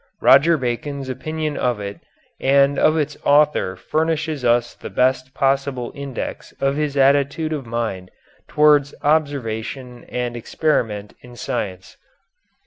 Roger Bacon's opinion of it and of its author furnishes us the best possible index of his attitude of mind towards observation and experiment in science.